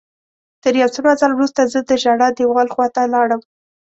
تر یو څه مزل وروسته زه د ژړا دیوال خواته لاړم.